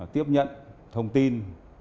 tiếp nhận thông tin